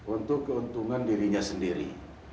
untuk keuntungan dirinya sendiri